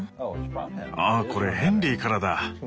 あっこれヘンリーからだ！